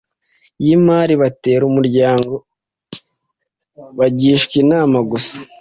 y imari batera umuryango bagishwa inama gusa